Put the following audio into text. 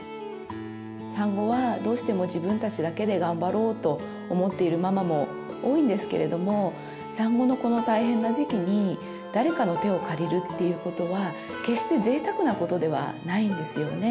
産後はどうしても自分たちだけで頑張ろうと思っているママも多いんですけれども産後のこの大変な時期に誰かの手を借りるっていうことは決してぜいたくなことではないんですよね。